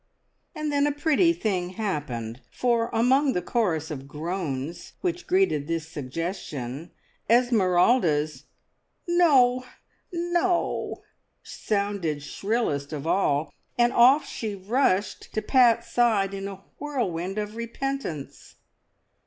And then a pretty thing happened, for among the chorus of groans which greeted this suggestion, Esmeralda's "No, no!" sounded shrillest of all, and off she rushed to Pat's side in a whirlwind of repentance.